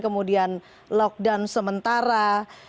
kemudian lockdown sementara